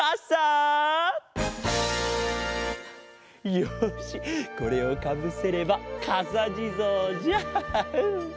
よしこれをかぶせればかさじぞうじゃ。